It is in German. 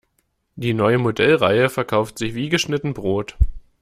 Die neue Modellreihe verkauft sich wie geschnitten Brot.